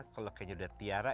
kalau kayaknya sudah tiara